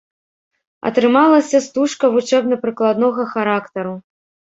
Атрымалася стужка вучэбна-прыкладнога характару.